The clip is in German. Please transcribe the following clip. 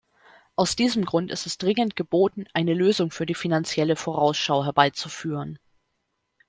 Aus diesem Grund ist es dringend geboten, eine Lösung für die Finanzielle Vorausschau herbeizuführen.